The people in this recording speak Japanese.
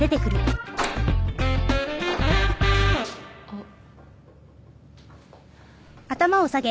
あっ。